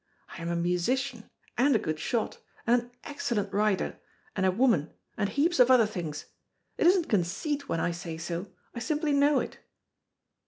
I am a musician, and a good shot, and an excellent rider, and a woman, and heaps of other things. It isn't conceit when I say so I simply know it."